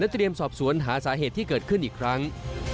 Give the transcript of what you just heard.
เตรียมสอบสวนหาสาเหตุที่เกิดขึ้นอีกครั้ง